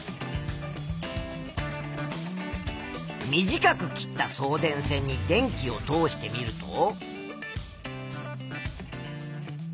短く切った送電線に電気を通してみると。